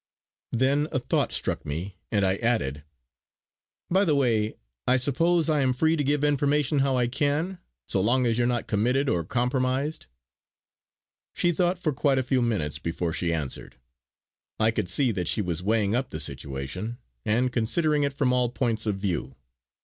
Then a thought struck me and I added, "By the way, I suppose I am free to give information how I can, so long as you are not committed or compromised?" She thought for quite a few minutes before she answered. I could see that she was weighing up the situation, and considering it from all points of view.